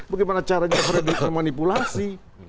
bagaimana caranya frederick memanipulasi